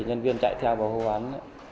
nhân viên chạy theo và hô hoán